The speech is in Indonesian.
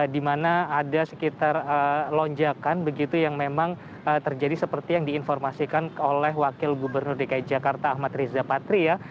di mana ada sekitar lonjakan begitu yang memang terjadi seperti yang diinformasikan oleh wakil gubernur dki jakarta ahmad riza patria